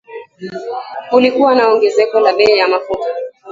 Kulikuwa na ongezeko la bei ya mafuta